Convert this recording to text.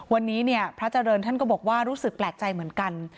วันนี้เนี่ยพระเจริญท่านก็บอกว่ารู้สึกแปลกใจเหมือนกัน